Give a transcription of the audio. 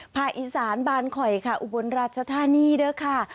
ภาคอีสานบานคอยค่ะอุบลราชธานีด้วยค่ะ